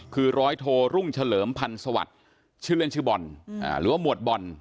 คือร้อยโทรุ่งเฉลิมพันธ์สวัสดิ์ชื่อเล่นชื่อบอลหรือว่าหมวดบอล